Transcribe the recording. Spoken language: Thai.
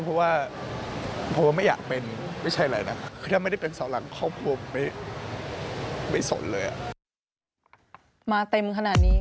น้ำตาก็ไหลวะเขาว่ากับอย่างนี้